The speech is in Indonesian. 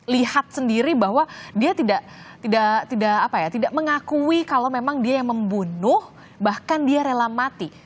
lihat sendiri bahwa dia tidak mengakui kalau memang dia yang membunuh bahkan dia rela mati